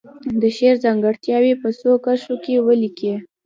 د شعر ځانګړتیاوې په څو کرښو کې ولیکي.